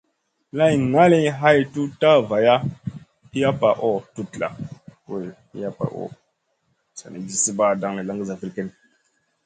Lay ngali hay toud na vaya.